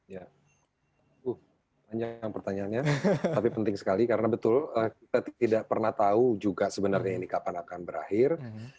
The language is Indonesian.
ya panjang pertanyaannya tapi penting sekali karena betul kita tidak pernah tahu juga sebenarnya ini kapan akan berakhir